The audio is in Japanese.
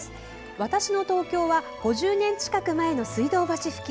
わたしの東京」は５０年近く前の水道橋付近。